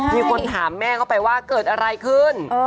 มีคนถามแม่เข้าไปว่าเกิดอะไรขึ้น